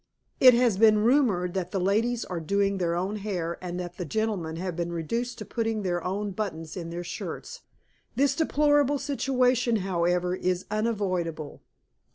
It has been rumored that the ladies are doing their own hair, and that the gentlemen have been reduced to putting their own buttons in their shirts. This deplorable situation, however, is unavoidable.